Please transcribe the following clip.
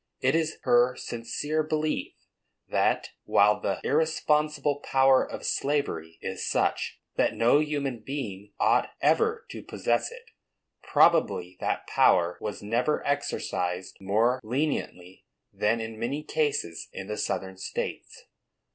It is her sincere belief that, while the irresponsible power of slavery is such that no human being ought ever to possess it, probably that power was never exercised more leniently than in many cases in the Southern States.